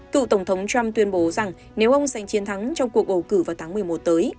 cựu tổng thống trump tuyên bố rằng nếu ông giành chiến thắng trong cuộc bầu cử vào tháng một mươi một tới